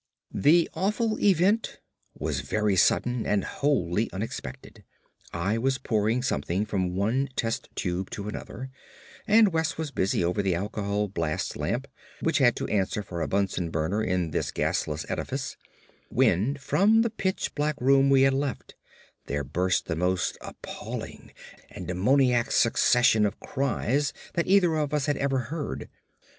The awful event was very sudden, and wholly unexpected. I was pouring something from one test tube to another, and West was busy over the alcohol blast lamp which had to answer for a Bunsen burner in this gasless edifice, when from the pitch black room we had left there burst the most appalling and daemoniac succession of cries that either of us had ever heard.